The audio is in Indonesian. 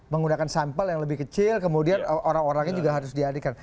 menggunakan sampel yang lebih kecil kemudian orang orangnya juga harus dialihkan